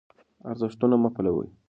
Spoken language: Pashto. ارزښتونه مه پلورئ.